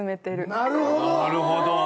なるほど！